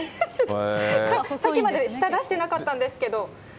さっきまで舌出してなかったんですけど。